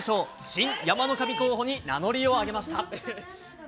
新山の神候補に名乗りを上げました。